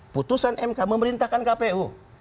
putusan mk memerintahkan kpu